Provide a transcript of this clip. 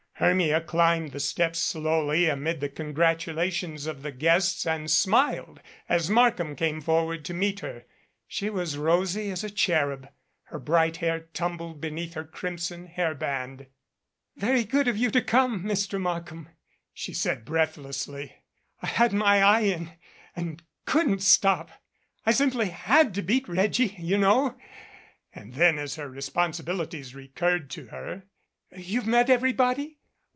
Hermia climbed the steps slowly amid the congratula tions of the guests and smiled as Markham came forward to meet her. She was rosy as a cherub, her bright hair tumbled beneath her crimson hair band. "Very good of you to come, Mr. Markham," she said breathlessly. "I had my eye in, and couldn't stop. I simply had to beat Reggie, you know," And then as her responsibilities recurred to her, "You've met everybody?